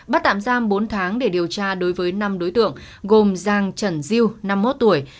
bắt tạm giam bốn tháng để điều tra đối với năm đối tượng gồm giang trần diêu năm mươi một tuổi